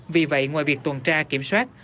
vì vậy ngoài việc tuần tra kiểm soát